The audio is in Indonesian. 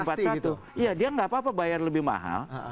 karena sampai dua ribu empat puluh satu iya dia nggak apa apa bayar lebih mahal